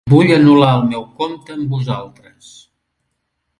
Vull anul·lar el meu compte amb vosaltres.